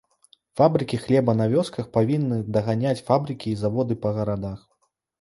Фабрыкі хлеба на вёсках павінны даганяць фабрыкі і заводы па гарадах.